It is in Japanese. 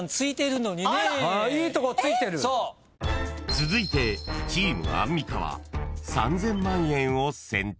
［続いてチームアンミカは３，０００万円を選択］